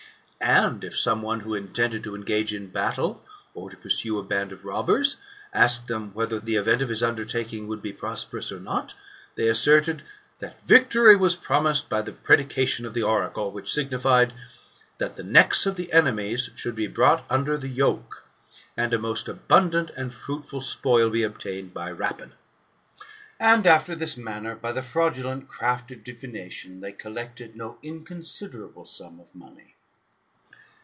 And if some one, who intended to engage in battle, or to pursue a band of robbers, asked them whether the event of his undertaking would be prosperous or not, they asserted. That victory was promised by the prediction of the oracle ; which signified, that the necks of the enemies should be brought under the yoke, and a most abundant and fruitful spoil be obtained by rapine. And, after this manner, by the fraudulent craft of divination, they collected no inconsiderable sum of money.